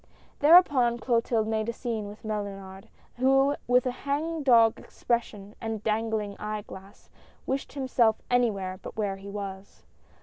Thereupon Clotilde made a scene with Mellunard, who with a hang dog expression and dangling eye glass, wished himself any where but where he was.